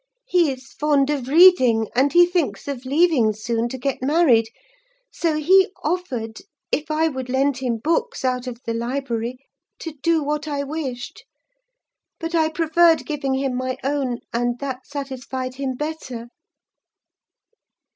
He is fond of reading, and he thinks of leaving soon to get married; so he offered, if I would lend him books out of the library, to do what I wished: but I preferred giving him my own, and that satisfied him better.